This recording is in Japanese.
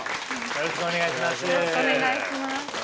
よろしくお願いします。